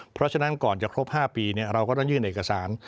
เพราะฉะนั้นก่อนจะครบ๕ปีเราก็ต้องยื่นเอกสาร